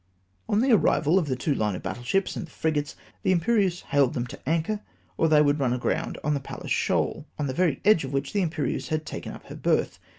On the arrival of the two line of battle ships and the frigates, the Imperieuse hailed them to anchor, or they would run aground on the Palles Shoal, on the very edge of which the Imperieuse had taken up her berth.